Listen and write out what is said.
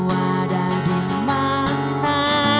kau ada dimana